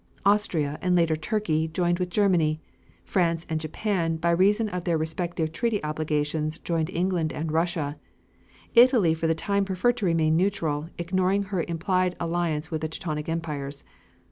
Austria, and later Turkey, joined with Germany; France, and Japan, by reason of their respective treaty obligations joined England and Russia. Italy for the time preferred to remain neutral, ignoring her implied alliance with the Teutonic empires.